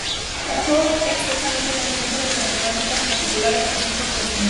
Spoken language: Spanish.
Trabajó extensamente en la enseñanza de la matemática, en particular la educación por correspondencia.